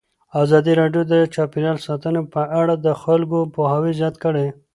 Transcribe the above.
ازادي راډیو د چاپیریال ساتنه په اړه د خلکو پوهاوی زیات کړی.